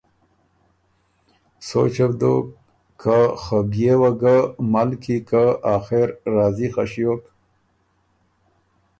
سوچه بو دوک که خه بيې وه ګه مَل کی که آخر راضی خه ݭیوک